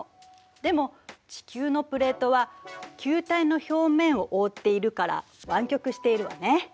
でも地球のプレートは球体の表面をおおっているから湾曲しているわね。